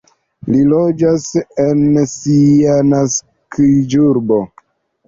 Li loĝas en sia naskiĝurbo.